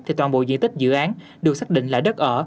thì toàn bộ diện tích dự án được xác định là đất ở